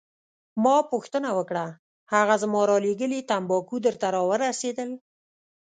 ما پوښتنه وکړه: هغه زما رالیږلي تمباکو درته راورسیدل؟